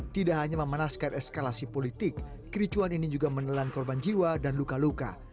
tidak hanya memanaskan eskalasi politik kericuan ini juga menelan korban jiwa dan luka luka